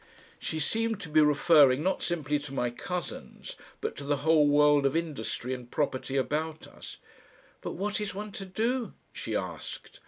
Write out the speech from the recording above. She seemed to be referring not simply to my cousins, but to the whole world of industry and property about us. "But what is one to do?" she asked.